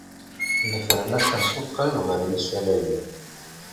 Nefren asensu qrib ɣer yisalayen.